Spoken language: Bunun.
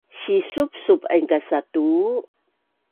Sisupsup aingka satuu